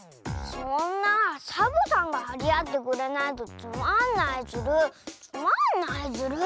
そんなサボさんがはりあってくれないとつまんないズルつまんないズル。